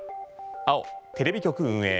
青、テレビ局運営